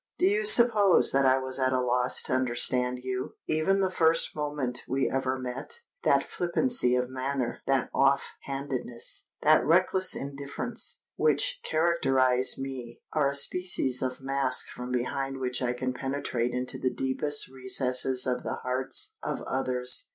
do you suppose that I was at a loss to understand you, even the very first moment we ever met? That flippancy of manner—that off handedness—that reckless indifference, which characterise me, are a species of mask from behind which I can penetrate into the deepest recesses of the hearts of others.